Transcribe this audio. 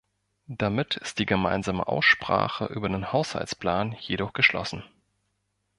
Damit ist die gemeinsame Aussprache über den Haushaltsplan jedoch geschlossen.